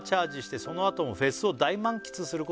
「そのあともフェスを大満喫することができ」